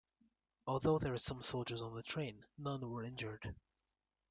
Although there were some soldiers on the train, none were injured.